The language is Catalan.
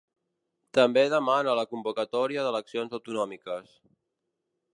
També demana la convocatòria d’eleccions autonòmiques.